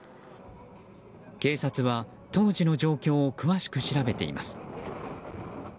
警察は当時の状況を詳しく調べています。